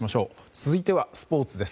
続いてはスポーツです。